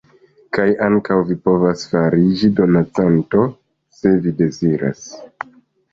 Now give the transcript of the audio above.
Kaj ankaŭ vi povas fariĝi donancanto se vi deziras.